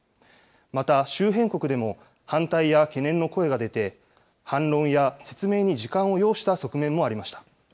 また、周辺国でも、反対や懸念の声が出て、反論や説明に時間を要した側面もありました。